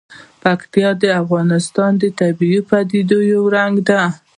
پکتیا د افغانستان د طبیعي پدیدو یو رنګ دی.